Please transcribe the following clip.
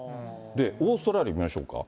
オーストラリアを見ましょうか。